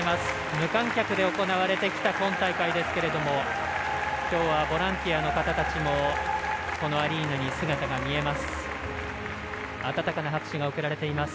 無観客で行われてきた今大会ですけれどもきょうはボランティアの方たちもこのアリーナに姿が見えます。